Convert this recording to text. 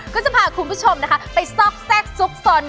ก็จะพาคุณผู้ชมนะคะไปซอกแทรกซุกซน